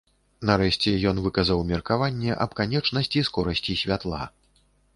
Нарэшце, ён выказаў меркаванне аб канечнасці скорасці святла.